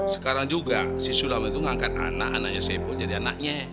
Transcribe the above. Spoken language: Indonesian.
sekarang juga si sulawesi tuh ngangkat anak anaknya sebol jadi anaknya